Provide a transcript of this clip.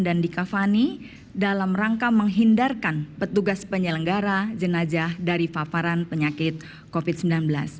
dikavani dalam rangka menghindarkan petugas penyelenggara jenajah dari paparan penyakit covid sembilan belas